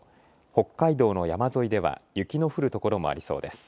北海道の山沿いでは雪の降る所もありそうです。